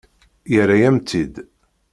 Yerra-yam-tt-id.